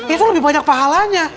itu lebih banyak pahalanya